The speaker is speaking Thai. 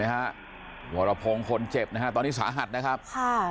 วรพงศ์คนเจ็บนะฮะตอนนี้สาหัสนะครับค่ะ